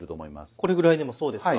これぐらいでもそうですか？